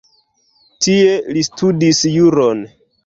Tie li studis juron.